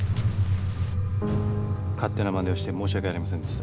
勝手なまねをして申し訳ありませんでした。